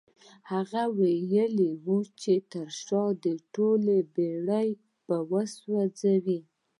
هغه ويلي وو چې تر شا ټولې بېړۍ به سوځوي.